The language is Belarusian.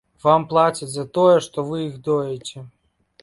Вам плацяць за тое, што вы іх доіце.